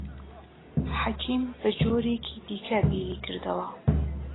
حەکیم بە جۆرێکی دیکە بیری کردەوە.